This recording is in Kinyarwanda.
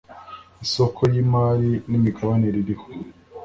isoko ry imari n’ imigabane ririho.